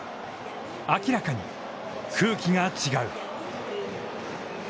明らかに空気が違う。